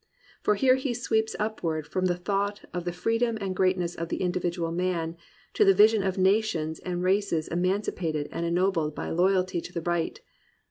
For here he sweeps upward from the thought of the freedom and greatness of the individual man to the vision of nations and races emancipated and ennobled by loyalty to the right.